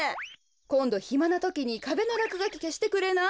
こんどひまなときにかべのらくがきけしてくれない？